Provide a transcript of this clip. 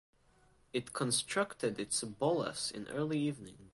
It constructed its bolas in early evening.